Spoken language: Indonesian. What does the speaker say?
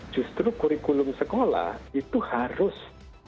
justru kurikulum sekolah itu harus